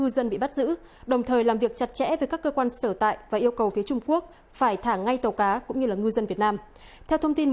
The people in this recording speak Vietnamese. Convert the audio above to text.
xin chào và hẹn gặp lại